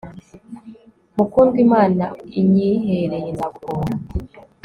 mukundwa imana inyihereye nzagukunda!